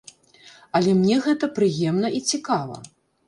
Але мне гэта прыемна і цікава!